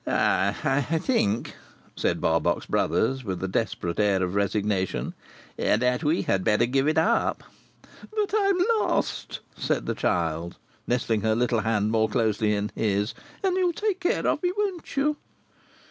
"Ah! I think," said Barbox Brothers, with a desperate air of resignation, "that we had better give it up." "But I am lost," said the child, nestling her little hand more closely in his, "and you'll take care of me, won't you?"